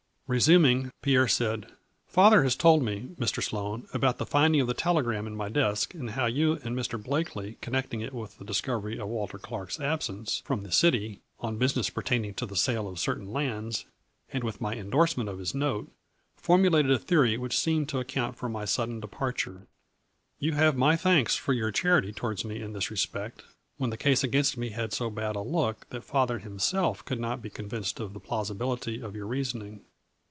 Resuming, Pierre said :" Father has told me, Mr. Sloane, about the finding of the telegram in my desk, and how you and Mr. Blakely, connecting it with the discov 204 A FLURRY IN DIAMONDS. ery of Walter Clark's absence from the city on business pertaining to the sale of certain lands, and with my indorsement of his note, formulated a theory which seemed to account for my sudden departure. You have my thanks for your charity towards me in this respect, when the case against me had so bad a look that father himself could not be convinced of the plausibil ity of your reasoning.